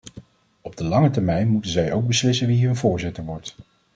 Op de lange termijn moeten zij ook beslissen wie hun voorzitter wordt.